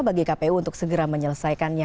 bagi kpu untuk segera menyelesaikannya